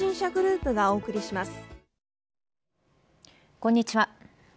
こんにちは。